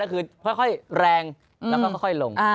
สัมภาษณ์ก็คือค่อยแรงแล้วก็ค่อยลง